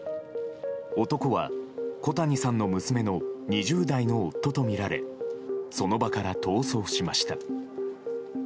男は小谷さんの娘の２０代の夫とみられその場から逃走しました。